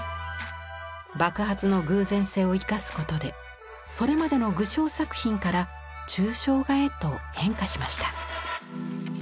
爆発の偶然性を生かすことでそれまでの具象作品から抽象画へと変化しました。